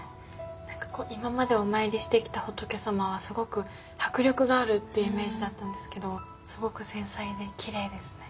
何か今までお参りしてきた仏様はすごく迫力があるっていうイメージだったんですけどすごく繊細できれいですね。